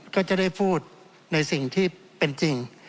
ก็จะได้พูดในสิ่งที่เป็นจริง